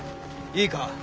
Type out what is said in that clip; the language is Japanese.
いいか？